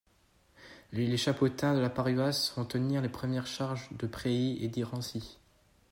Les Chapotin, de la paroisse, vont tenir les premières charges de Préhy et d'Irancy.